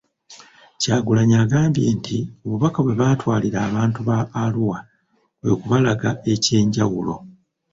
Kyagulanyi agambye nti obubaka bwe batwalira abantu ba Arua kwe kubalaga ekyenjawulo.